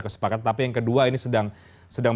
kesepakatan tapi yang kedua ini sedang sedang